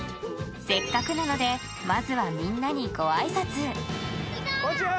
せっかくなのでまずはみんなにご挨拶こんちわ！